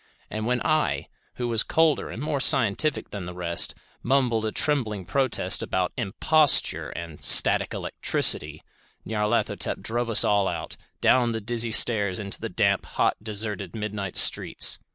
And when I, who was colder and more scientific than the rest, mumbled a trembling protest about "imposture" and "static electricity", Nyarlathotep drave us all out, down the dizzy stairs into the damp, hot, deserted midnight streets.